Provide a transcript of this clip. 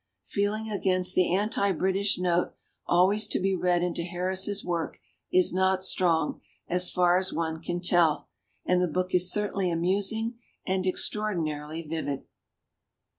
Feel ing against the anti British note al ways to be read into Harris's work is not strong, as far as one can tell, and the book is certainly amusing and ex traordinarily vivid.